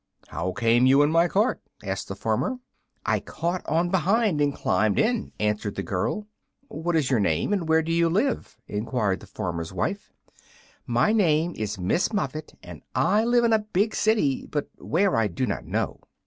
"How came you in my cart?" asked the farmer. "I caught on behind, and climbed in," answered the girl. "What is your name, and where do you live?" enquired the farmer's wife. "My name is Miss Muffet, and I live in a big city, but where, I do not know."